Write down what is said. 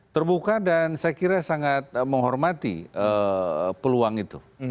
terbuka dan saya kira sangat menghormati peluang itu